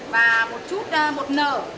và một chút bột nở